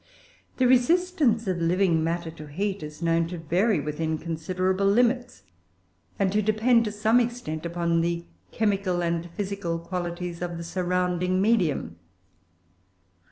The resistance of living matter to heat is known to vary within considerable limits, and to depend, to some extent, upon the chemical and physical qualities of the surrounding medium.